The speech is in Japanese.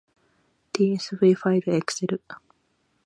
tsv ファイルエクセル